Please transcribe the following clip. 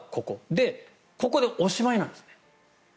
で、ここでおしまいなんですね。